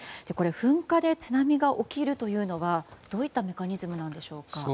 噴火で津波が起きるというのは、どういったメカニズムなんでしょうか。